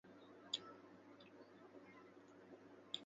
它以奥地利慈善家和建立者命名的。